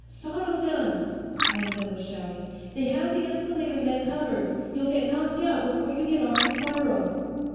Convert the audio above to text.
"Sono guns!" one of them was shouting. "They have the escalator head covered; you'll get knocked out before you get off the spiral!"